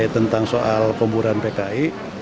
tentang soal pemburan pks